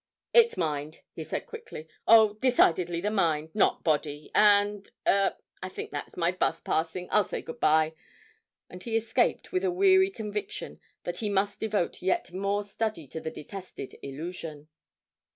'It's mind,' he said quickly. 'Oh, decidedly the mind, not body, and er I think that's my 'bus passing. I'll say good bye;' and he escaped with a weary conviction that he must devote yet more study to the detested 'Illusion.'